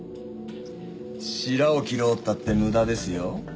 しらを切ろうったって無駄ですよ。